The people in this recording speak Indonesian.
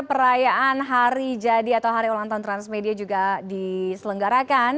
perayaan hari jadi atau hari ulang tahun transmedia juga diselenggarakan